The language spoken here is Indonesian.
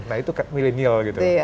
nah itu milenial gitu